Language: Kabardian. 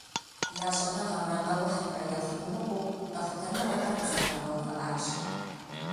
Я щӀэныгъэмрэ къэухьымрэ яхуримыкъуу къэхутэныгъэхэр къызэтрагъэувыӀащ.